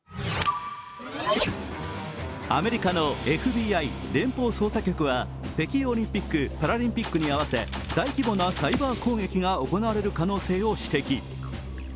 アメリカのＦＢＩ＝連邦捜査局は北京オリンピック・パラリンピックに合わせ大規模なサイバー攻撃が行われる可能性を指摘。